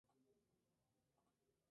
Conoció a Thomas Mann y a Max Reinhardt.